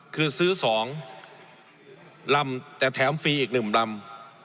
คือซื้อสองลำแต่แถมฟรีอีกหนึ่งลำ